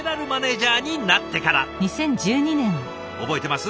覚えてます？